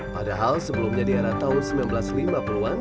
padahal sebelumnya di era tahun seribu sembilan ratus lima puluh an